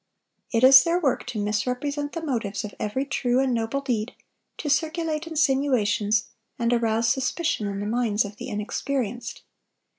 It is their work to misrepresent the motives of every true and noble deed, to circulate insinuations, and arouse suspicion in the minds of the inexperienced.